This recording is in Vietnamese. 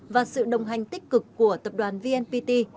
và sự đồng hành tích cực của tập đoàn vnpt